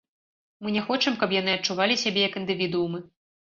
Мы не хочам, каб яны адчувалі сябе як індывідуумы.